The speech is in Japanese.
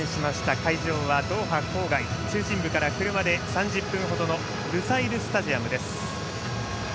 会場はドーハ郊外中心部から車で３０分程のルサイルスタジアム。